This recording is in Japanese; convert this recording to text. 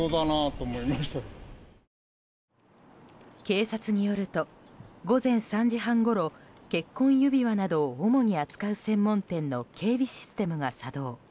警察によると午前３時半ごろ結婚指輪などを主に扱う専門店の警備システムが作動。